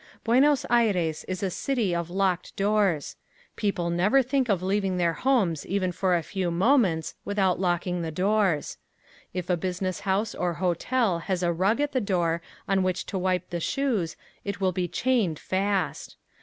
Buenos Aires is a city of locked doors. People never think of leaving their homes even for a few moments without locking the doors. If a business house or hotel has a rug at the door on which to wipe the shoes it will be chained fast.